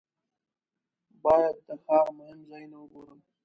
باید د ښار مهم ځایونه وګورم.